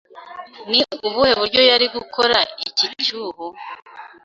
ni ubuhe buryo yari gukora iki cyuho